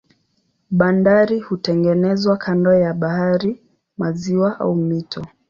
Bandari hutengenezwa kando ya bahari, maziwa au mito.